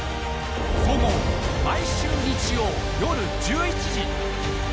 総合毎週日曜夜１１時。